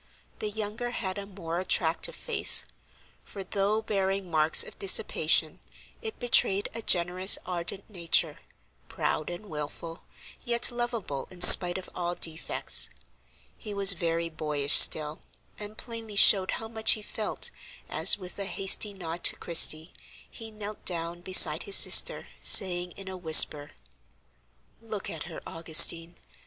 The younger had a more attractive face, for, though bearing marks of dissipation, it betrayed a generous, ardent nature, proud and wilful, yet lovable in spite of all defects. He was very boyish still, and plainly showed how much he felt, as, with a hasty nod to Christie, he knelt down beside his sister, saying, in a whisper: "Look at her, Augustine!